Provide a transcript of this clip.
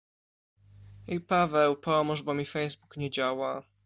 Ej, Paweł, pomóż, bo mi Facebook nie działa...